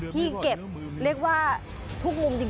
ที่เก็บเรียกว่าทุกมุมจริง